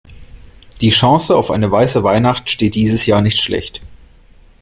Die Chancen auf eine weiße Weihnacht stehen dieses Jahr nicht schlecht.